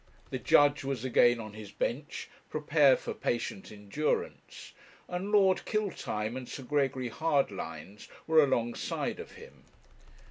The judge was again on his bench, prepared for patient endurance; and Lord Killtime and Sir Gregory Hardlines were alongside of him.